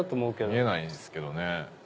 見えないっすけどね。